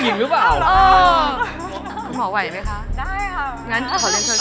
เห็นเป็นสวยงามไง